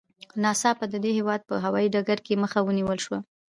ناڅاپه د دې هېواد په هوايي ډګر کې مخه ونیول شوه.